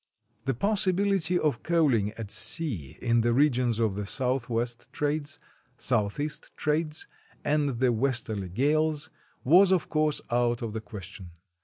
229 RUSSIA The possibility of coaling at sea — in the regions of the southwest trades, southeast trades, and the westerly gales — was of course out of the question.